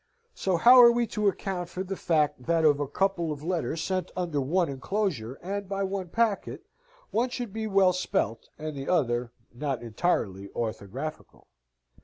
So how are we to account for the fact, that of a couple of letters sent under one enclosure and by one packet, one should be well spelt, and the other not entirely orthographical?